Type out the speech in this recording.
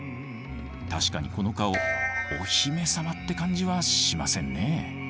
確かにこの顔お姫様って感じはしませんね。